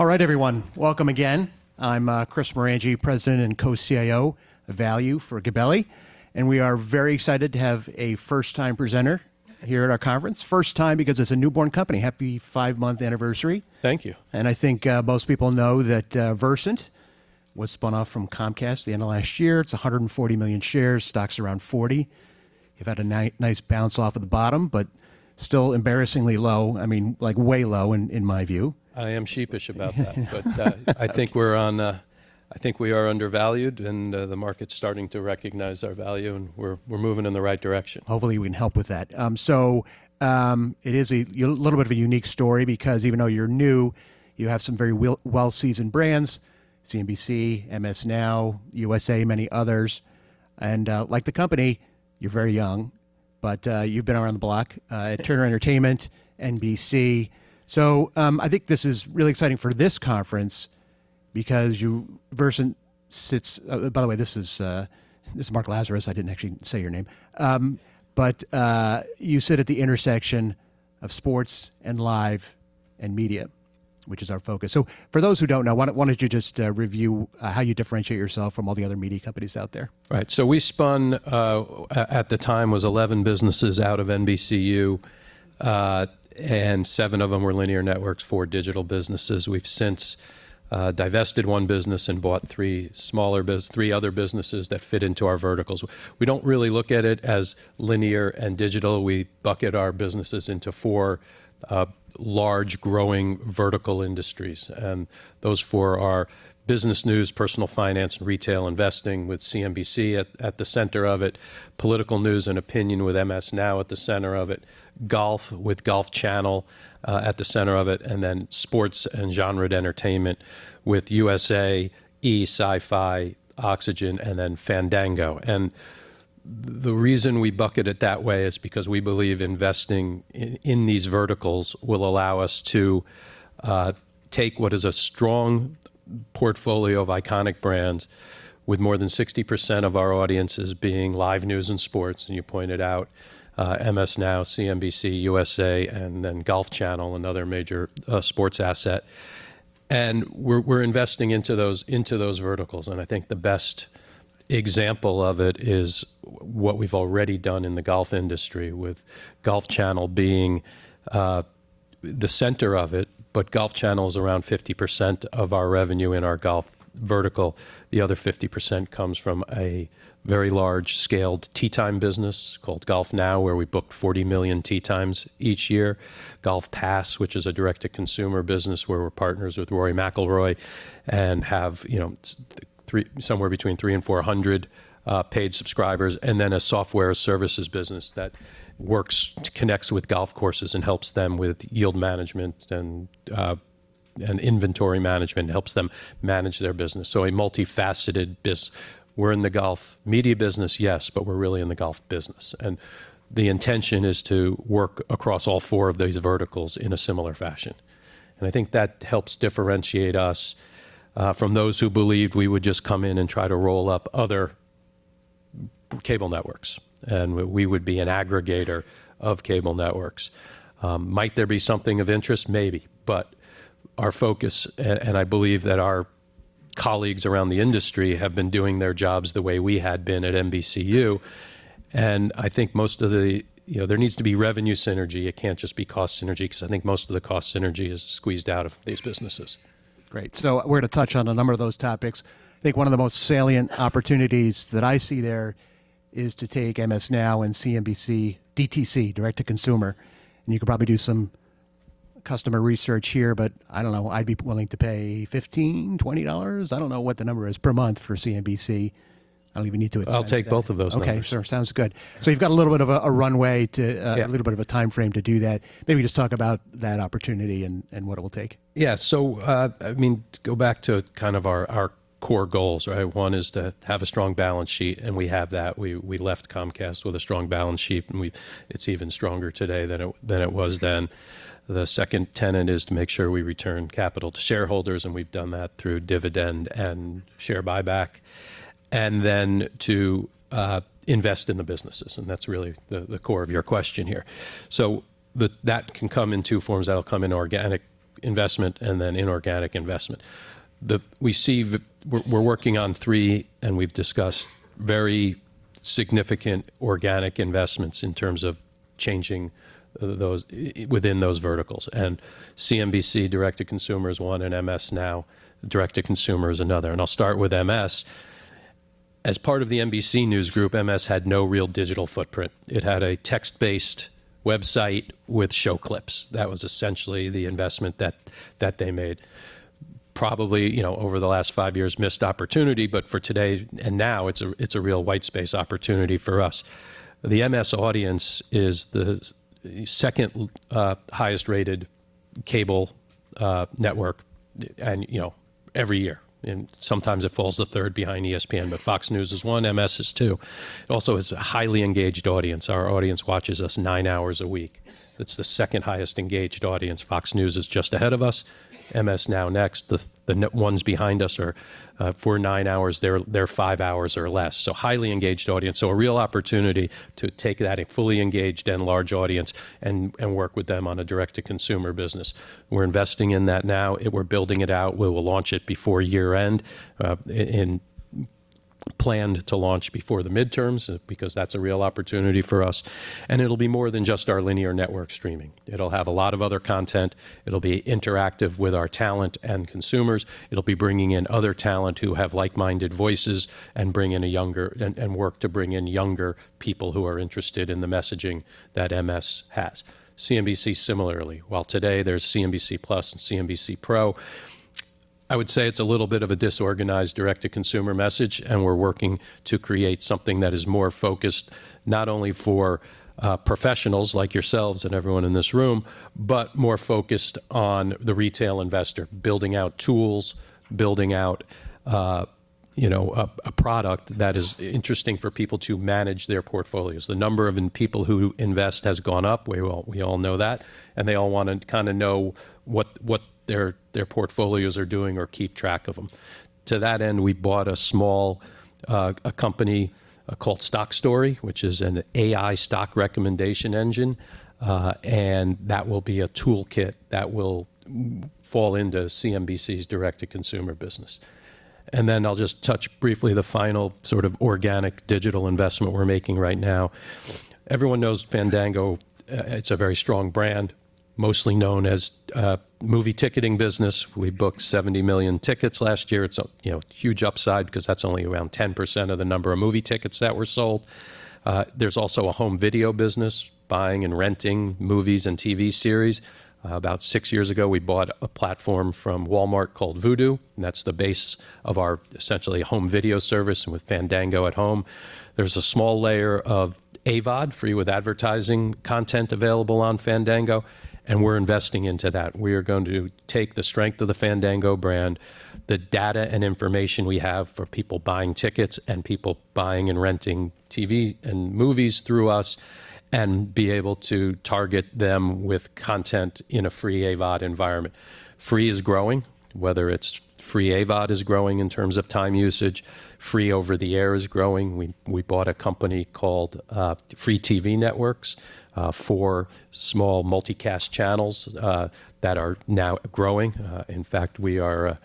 All right, everyone. Welcome again. I'm Chris Marangi, President and Co-CIO of Value for Gabelli. We are very excited to have a first-time presenter here at our conference. First time because it's a newborn company. Happy five-month anniversary. Thank you. I think most people know that Versant was spun off from Comcast at the end of last year. It's 140 million shares. Stock's around $40. You've had a nice bounce off of the bottom, but still embarrassingly low. I mean, way low in my view. I am sheepish about that. I think we are undervalued, and the market's starting to recognize our value, and we're moving in the right direction. Hopefully, we can help with that. It is a little bit of a unique story because even though you're new, you have some very well-seasoned brands, CNBC, MS NOW, USA, many others. Like the company, you're very young, but you've been around the block, Turner Entertainment, NBC. I think this is really exciting for this conference because you, Versant sit at the intersection of sports and live and media, which is our focus. For those who don't know, why don't you just review how you differentiate yourself from all the other media companies out there? Right. We spun, at the time was 11 businesses out of NBCU, and seven of them were linear networks, four digital businesses. We've since divested one business and bought three other businesses that fit into our verticals. We don't really look at it as linear and digital. We bucket our businesses into four large, growing vertical industries. Those four are business news, personal finance, and retail investing with CNBC at the center of it, political news and opinion with MSNBC at the center of it, golf with Golf Channel at the center of it, and then sports and genre entertainment with USA, E!, Syfy, Oxygen, and then Fandango. The reason we bucket it that way is because we believe investing in these verticals will allow us to take what is a strong portfolio of iconic brands with more than 60% of our audiences being live news and sports, and you pointed out, MS NOW, CNBC, USA, and then Golf Channel, another major sports asset. We're investing into those verticals, and I think the best example of it is what we've already done in the golf industry with Golf Channel being the center of it. Golf Channel's around 50% of our revenue in our golf vertical. The other 50% comes from a very large-scaled tee time business called GolfNow, where we book 40 million tee times each year. GolfPass, which is a direct-to-consumer business where we're partners with Rory McIlroy and have somewhere between three and 400 paid subscribers. A software services business that connects with golf courses and helps them with yield management and inventory management, and helps them manage their business. A multifaceted biz. We're in the golf media business, yes, but we're really in the golf business. The intention is to work across all four of those verticals in a similar fashion. I think that helps differentiate us from those who believed we would just come in and try to roll up other cable networks, and we would be an aggregator of cable networks. Might there be something of interest? Maybe. Our focus, and I believe that our colleagues around the industry have been doing their jobs the way we had been at NBCU. There needs to be revenue synergy. It can't just be cost synergy because I think most of the cost synergy is squeezed out of these businesses. Great. We're to touch on a number of those topics. I think one of the most salient opportunities that I see there is to take MS NOW and CNBC DTC, direct-to-consumer, and you could probably do some customer research here, but I don't know, I'd be willing to pay $15-$20. I don't know what the number is per month for CNBC. I'll take both of those numbers. Okay. Sure. Sounds good. You've got a little bit of a runway. Yeah a little bit of a timeframe to do that. Maybe just talk about that opportunity and what it'll take. Yeah. To go back to kind of our core goals, right? One is to have a strong balance sheet, and we have that. We left Comcast with a strong balance sheet, and it's even stronger today than it was then. The second tenet is to make sure we return capital to shareholders, and we've done that through dividend and share buyback. To invest in the businesses, and that's really the core of your question here. That can come in two forms. That'll come in organic investment and then inorganic investment. We're working on three, and we've discussed very significant organic investments in terms of changing within those verticals. CNBC direct to consumer is one, and MS NOW direct-to-consumer is another, and I'll start with MS. As part of the NBC News group, MS had no real digital footprint. It had a text-based website with show clips. That was essentially the investment that they made. Probably over the last five years, missed opportunity, but for today and now, it's a real white space opportunity for us. The MS audience is the second highest-rated cable network every year, and sometimes it falls to third behind ESPN, but Fox News is one, MS is two. It also has a highly engaged audience. Our audience watches us nine hours a week. That's the second highest engaged audience. Fox News is just ahead of us. MS NOW is next. The ones behind us are, for nine hours, they're five hours or less. It is a highly engaged audience. A real opportunity to take that fully engaged and large audience and work with them on a direct-to-consumer business. We're investing in that now. We're building it out. We will launch it before year-end, planned to launch before the midterms, because that's a real opportunity for us, and it'll be more than just our linear network streaming. It'll have a lot of other content. It'll be interactive with our talent and consumers. It'll be bringing in other talent who have like-minded voices and work to bring in younger people who are interested in the messaging that MS has. CNBC similarly, while today there's CNBC+ and CNBC Pro, I would say it's a little bit of a disorganized direct to consumer message. We're working to create something that is more focused, not only for professionals like yourselves and everyone in this room, but more focused on the retail investor, building out tools, building out a product that is interesting for people to manage their portfolios. The number of people who invest has gone up, we all know that, and they all want to know what their portfolios are doing or keep track of them. To that end, we bought a small company called StockStory, which is an AI stock recommendation engine. That will be a toolkit that will fall into CNBC's direct-to-consumer business. I'll just touch briefly the final organic digital investment we're making right now. Everyone knows Fandango. It's a very strong brand, mostly known as a movie ticketing business. We booked 70 million tickets last year. It's a huge upside because that's only around 10% of the number of movie tickets that were sold. There's also a home video business, buying and renting movies and TV series. About six years ago, we bought a platform from Walmart called Vudu, and that's the base of our essentially home video service with Fandango at Home. There's a small layer of AVOD, free with advertising content available on Fandango, and we're investing into that. We are going to take the strength of the Fandango brand, the data and information we have for people buying tickets and people buying and renting TV and movies through us, and be able to target them with content in a free AVOD environment. Free is growing, whether it's free AVOD is growing in terms of time usage, free over-the-air is growing. We bought a company called Free TV Networks for small multicast channels that are now growing. In fact, we are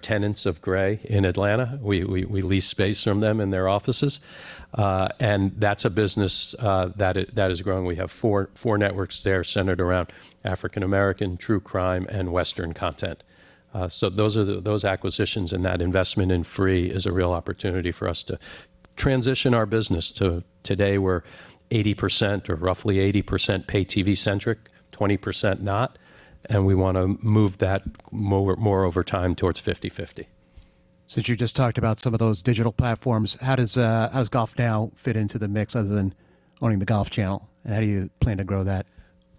tenants of Gray in Atlanta. We lease space from them in their offices. That's a business that is growing. We have four networks there centered around African American, True Crime, and Western content. Those acquisitions and that investment in free is a real opportunity for us to transition our business. Today we're 80% or roughly 80% pay-TV centric, 20% not, and we want to move that more over time towards 50/50. Since you just talked about some of those digital platforms, how does GolfNow fit into the mix other than owning the Golf Channel? How do you plan to grow that?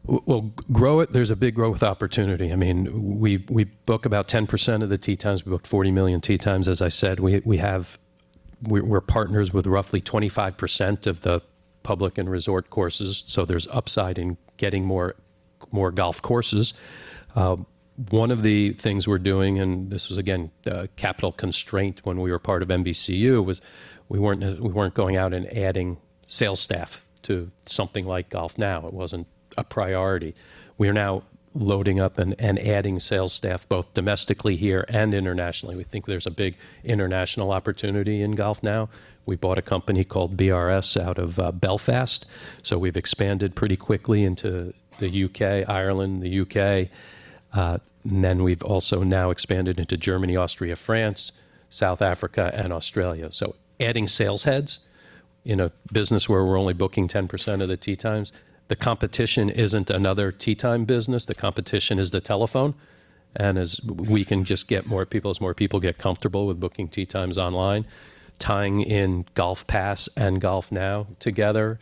Well, grow it, there is a big growth opportunity. We book about 10% of the tee times. We book 40 million tee times, as I said. We are partners with roughly 25% of the public and resort courses, so there is upside in getting more golf courses. One of the things we are doing, and this was again capital constraint when we were part of NBCU, was we were not going out and adding sales staff to something like GolfNow. It was not a priority. We are now loading up and adding sales staff both domestically here and internationally. We think there is a big international opportunity in GolfNow. We bought a company called BRS out of Belfast. We have expanded pretty quickly into the U.K., Ireland, the U.K., and then we have also now expanded into Germany, Austria, France, South Africa, and Australia. Adding sales heads in a business where we're only booking 10% of the tee times. The competition isn't another tee time business. The competition is the telephone. As we can just get more people, as more people get comfortable with booking tee times online, tying in GolfPass and GolfNow together,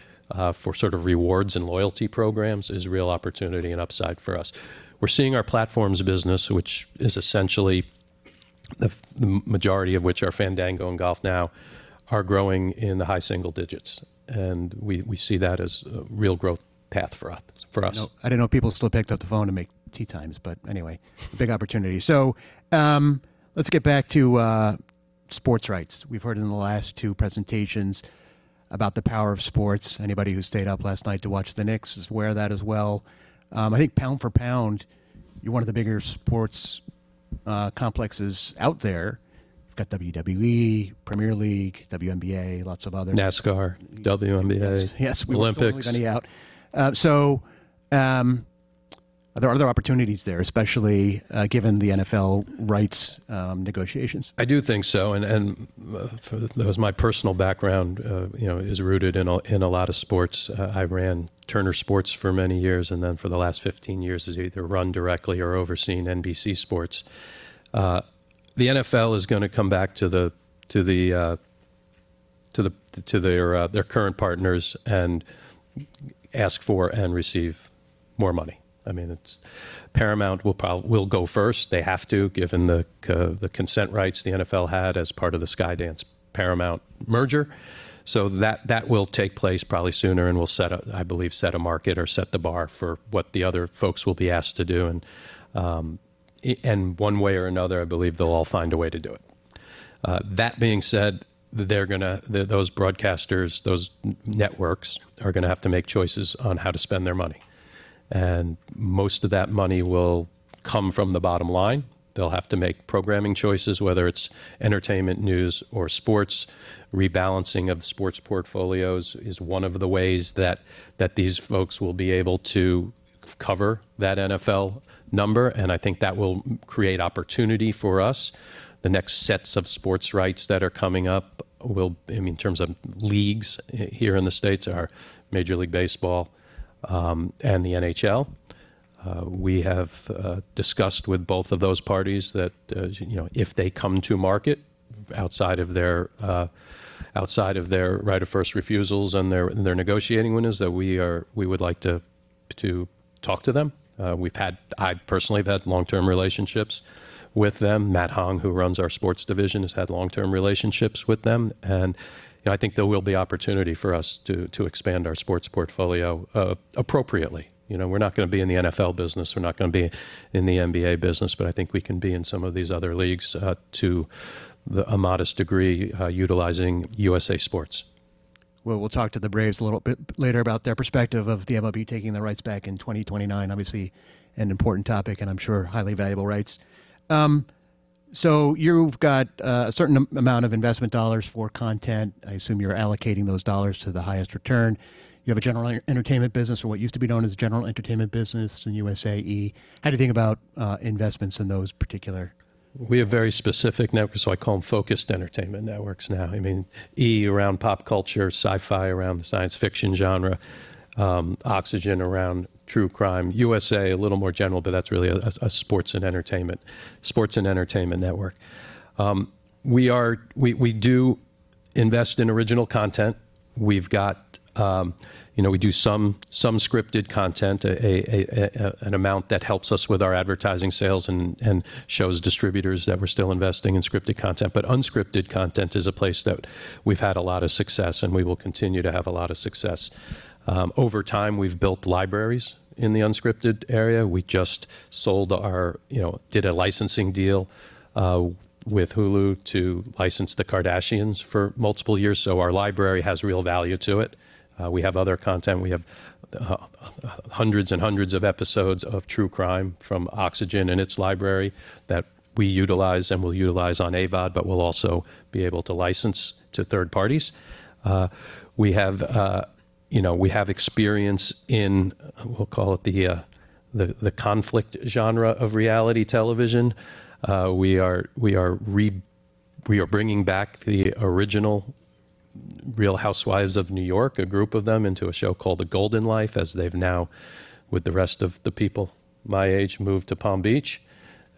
for sort of rewards and loyalty programs is a real opportunity and upside for us. We're seeing our platforms business, which is essentially the majority of which are Fandango and GolfNow, are growing in the high single digits. We see that as a real growth path for us. I didn't know people still picked up the phone to make tee times. Anyway, big opportunity. Let's get back to sports rights. We've heard in the last two presentations about the power of sports. Anybody who stayed up last night to watch the Knicks is aware of that as well. I think pound for pound, you're one of the bigger sports complexes out there. You've got WWE, Premier League, WNBA, lots of others. NASCAR, WNBA. Yes. Olympics. Are there other opportunities there, especially given the NFL rights negotiations? I do think so. My personal background is rooted in a lot of sports. I ran Turner Sports for many years. For the last 15 years has either run directly or overseen NBC Sports. The NFL is going to come back to their current partners and ask for and receive more money. Paramount will go first. They have to, given the consent rights the NFL had as part of the Skydance-Paramount merger. That will take place probably sooner and will, I believe, set a market or set the bar for what the other folks will be asked to do, and one way or another, I believe they'll all find a way to do it. That being said, those broadcasters, those networks are going to have to make choices on how to spend their money. Most of that money will come from the bottom line. They'll have to make programming choices, whether it's entertainment, news, or sports. Rebalancing of sports portfolios is one of the ways that these folks will be able to cover that NFL number, and I think that will create opportunity for us. The next sets of sports rights that are coming up will, in terms of leagues here in the U.S., are Major League Baseball and the NHL. We have discussed with both of those parties that if they come to market outside of their right of first refusals and their negotiating windows, that we would like to talk to them. I personally have had long-term relationships with them. Matt Hong, who runs our sports division, has had long-term relationships with them. I think there will be opportunity for us to expand our sports portfolio appropriately. We're not going to be in the NFL business. We're not going to be in the NBA business. I think we can be in some of these other leagues to a modest degree utilizing USA Sports. Well, we'll talk to the Braves a little bit later about their perspective of the MLB taking the rights back in 2029. An important topic and I'm sure highly valuable rights. You've got a certain amount of investment dollars for content. I assume you're allocating those dollars to the highest return. You have a general entertainment business or what used to be known as general entertainment business in USA E!. How do you think about investments in those particular- We have very specific networks, so I call them focused entertainment networks now. E! around pop culture, Syfy around the science fiction genre, Oxygen around true crime, USA a little more general, but that's really a sports and entertainment network. We do invest in original content. We do some scripted content, an amount that helps us with our advertising sales and shows distributors that we're still investing in scripted content. Unscripted content is a place that we've had a lot of success, and we will continue to have a lot of success. Over time, we've built libraries in the unscripted area. We just did a licensing deal with Hulu to license The Kardashians for multiple years, so our library has real value to it. We have other content. We have hundreds and hundreds of episodes of True Crime from Oxygen in its library that we utilize and will utilize on AVOD, we'll also be able to license to third parties. We have experience in, we'll call it, the conflict genre of reality television. We are bringing back the original Real Housewives of New York, a group of them into a show called The Golden Life, as they've now, with the rest of the people my age, moved to Palm Beach.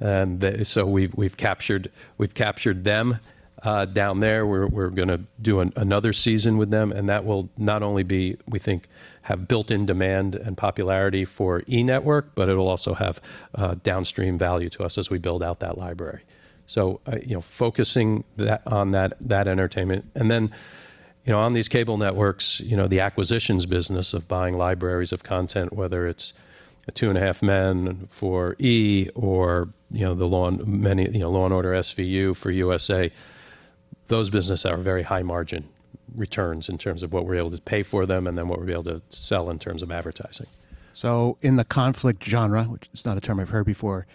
We've captured them down there. We're going to do another season with them, that will not only, we think, have built-in demand and popularity for E!, it'll also have downstream value to us as we build out that library. Focusing on that entertainment. On these cable networks, the acquisitions business of buying libraries of content, whether it's a Two and a Half Men for E! or Law & Order: SVU for USA, those businesses are very high margin returns in terms of what we're able to pay for them and then what we'll be able to sell in terms of advertising. In the conflict genre, which is not a term I've heard before,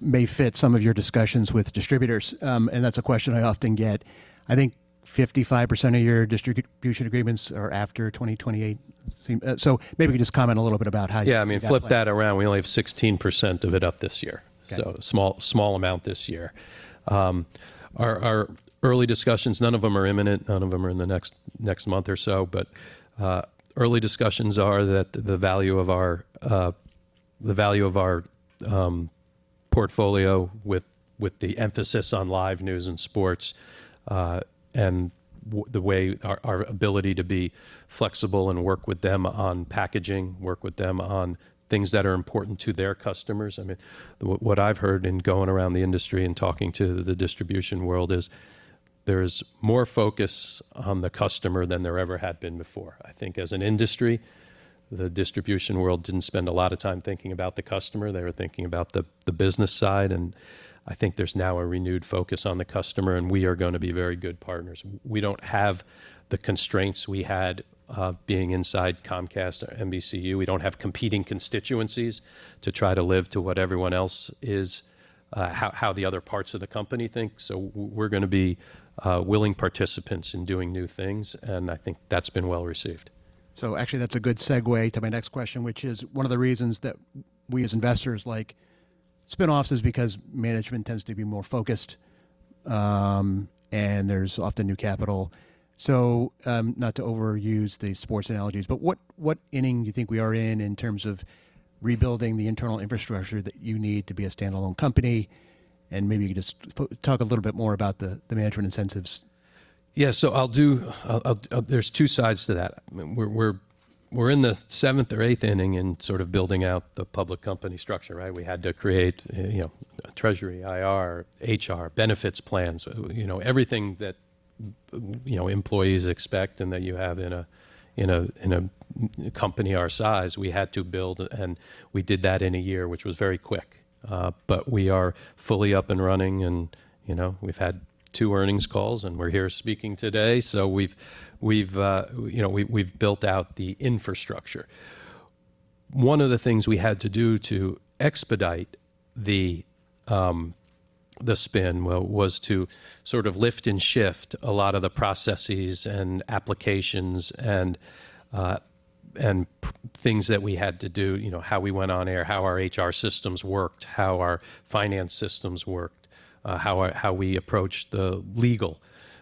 may fit some of your discussions with distributors, and that's a question I often get. I think 55% of your distribution agreements are after 2028. Maybe just comment a little bit about how you see that playing out? Flip that around. We only have 16% of it up this year. Okay. Small amount this year. Our early discussions, none of them are imminent. None of them are in the next month or so. Early discussions are that the value of our portfolio with the emphasis on live news and sports, and our ability to be flexible and work with them on packaging, work with them on things that are important to their customers. What I've heard in going around the industry and talking to the distribution world is there's more focus on the customer than there ever had been before. I think as an industry, the distribution world didn't spend a lot of time thinking about the customer. They were thinking about the business side, and I think there's now a renewed focus on the customer, and we are going to be very good partners. We don't have the constraints we had being inside Comcast or NBCU. We don't have competing constituencies to try to live to what everyone else is, how the other parts of the company think. We're going to be willing participants in doing new things, and I think that's been well-received. Actually, that's a good segue to my next question, which is one of the reasons that we as investors like spinoffs is because management tends to be more focused, and there's often new capital. Not to overuse the sports analogies, but what inning do you think we are in terms of rebuilding the internal infrastructure that you need to be a standalone company? Maybe just talk a little bit more about the management incentives. Yeah. There's two sides to that. We're in the seventh or eighth inning in sort of building out the public company structure, right? We had to create a Treasury, IR, HR, benefits plans, everything that employees expect and that you have in a company our size, we had to build, and we did that in a year, which was very quick. We are fully up and running, and we've had two earnings calls, and we're here speaking today. We've built out the infrastructure. One of the things we had to do to expedite the spin was to sort of lift and shift a lot of the processes and applications and things that we had to do. How we went on air, how our HR systems worked, how our finance systems worked, how we approached the legal.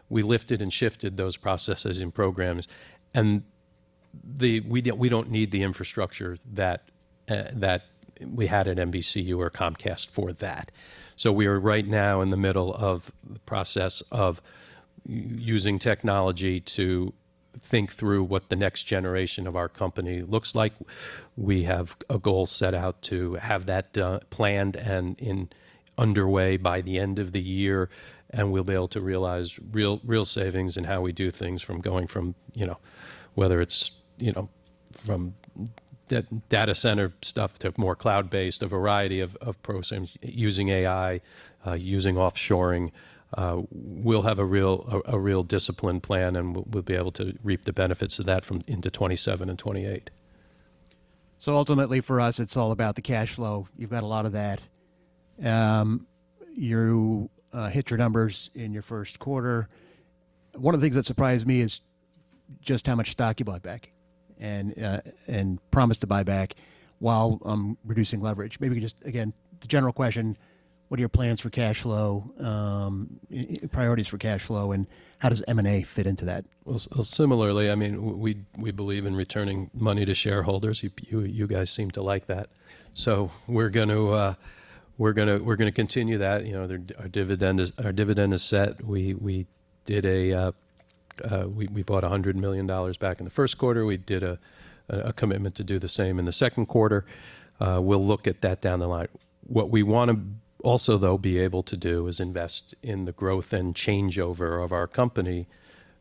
We lifted and shifted those processes and programs. We don't need the infrastructure that we had at NBCU or Comcast for that. We are right now in the middle of the process of using technology to think through what the next generation of our company looks like. We have a goal set out to have that planned and underway by the end of the year, and we'll be able to realize real savings in how we do things, from whether it's from data center stuff to more cloud-based, a variety of pros, and using AI, using offshoring. We'll have a real discipline plan, and we'll be able to reap the benefits of that from into 2027 and 2028. Ultimately for us, it's all about the cash flow. You've got a lot of that. You hit your numbers in your first quarter. One of the things that surprised me is just how much stock you bought back and promised to buy back while reducing leverage. Maybe just again, the general question, what are your plans for cash flow, priorities for cash flow, and how does M&A fit into that? Similarly, we believe in returning money to shareholders. You guys seem to like that. We're going to continue that. Our dividend is set. We bought $100 million back in the first quarter. We did a commitment to do the same in the second quarter. We'll look at that down the line. What we want to also, though, be able to do is invest in the growth and changeover of our company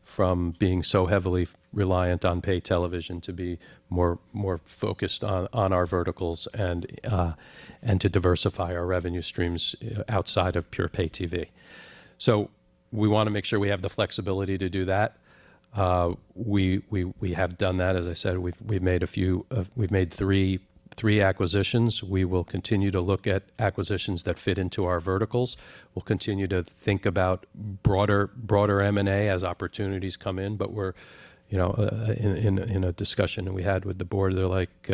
from being so heavily reliant on pay television to be more focused on our verticals and to diversify our revenue streams outside of pure pay-TV. We want to make sure we have the flexibility to do that. We have done that. As I said, we've made three acquisitions. We will continue to look at acquisitions that fit into our verticals. We'll continue to think about broader M&A as opportunities come in, but in a discussion that we had with the board, they're like,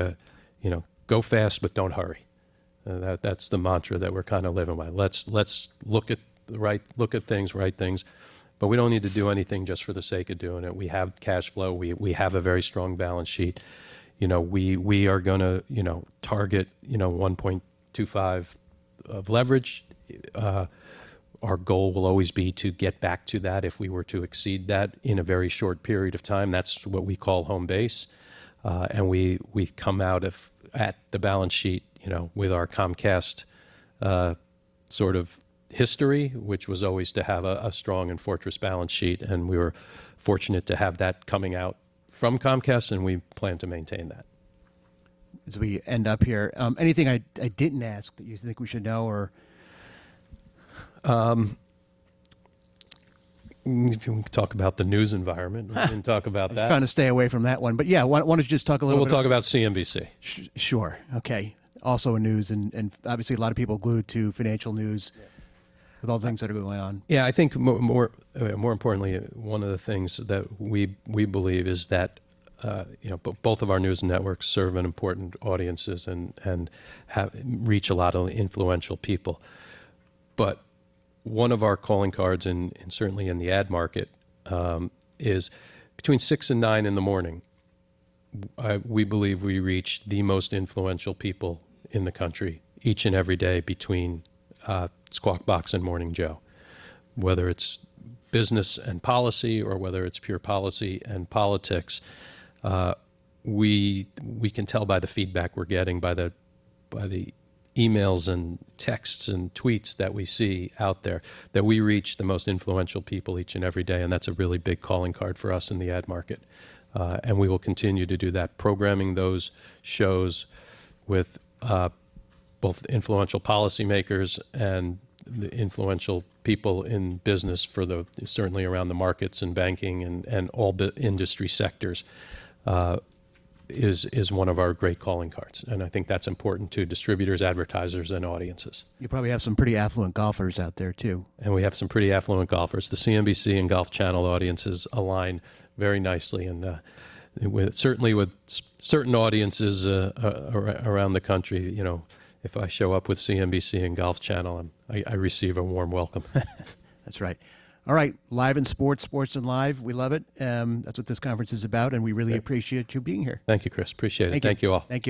go fast, but don't hurry. That's the mantra that we're kind of living by. Let's look at things, right things. We don't need to do anything just for the sake of doing it. We have cash flow. We have a very strong balance sheet. We are going to target 1.25x of leverage. Our goal will always be to get back to that if we were to exceed that in a very short period of time. That's what we call home base. We've come out at the balance sheet with our Comcast sort of history, which was always to have a strong and fortress balance sheet, and we were fortunate to have that coming out from Comcast, and we plan to maintain that. As we end up here, anything I didn't ask that you think we should know or? If you want me to talk about the news environment, we can talk about that. I was trying to stay away from that one, but yeah, why don't you just talk a little bit. Well, we'll talk about CNBC. Sure, okay. Also in news, obviously a lot of people are glued to financial news. Yeah with all the things that are going on. Yeah, I think more importantly, one of the things that we believe is that both of our news networks serve an important audiences and reach a lot of influential people. One of our calling cards, and certainly in the ad market, is between 6:00 A.M. and 9:00 A.M. in the morning, we believe we reach the most influential people in the country each and every day between Squawk Box and Morning Joe. Whether it's business and policy or whether it's pure policy and politics, we can tell by the feedback we're getting, by the emails and texts and tweets that we see out there, that we reach the most influential people each and every day, and that's a really big calling card for us in the ad market. We will continue to do that. Programming those shows with both influential policymakers and the influential people in business, certainly around the markets and banking and all the industry sectors, is one of our great calling cards, and I think that's important to distributors, advertisers, and audiences. You probably have some pretty affluent golfers out there, too. We have some pretty affluent golfers. The CNBC and Golf Channel audiences align very nicely, and certainly with certain audiences around the country, if I show up with CNBC and Golf Channel, I receive a warm welcome. That's right. All right. Live and sports, sport and live, we love it. That's what this conference is about, and we really appreciate you being here. Thank you, Chris. Appreciate it. Thank you. Thank you all. Thank you.